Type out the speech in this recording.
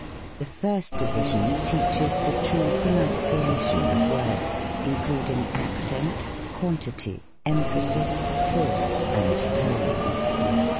The first division teaches the true Pro nunciation of Words, including Accent, Quantity, Em phasis, Pause, and Tone.